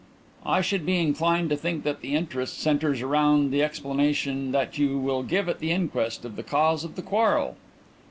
"I should be inclined to think that the interest centres round the explanation you will give at the inquest of the cause of the quarrel."